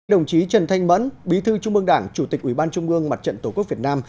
đồng chí trần thanh mẫn bí thư trung mương đảng chủ tịch ủy ban trung ương mặt trận tổ quốc việt nam